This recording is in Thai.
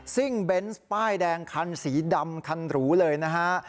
่งเบนส์ป้ายแดงคันสีดำคันหรูเลยนะฮะ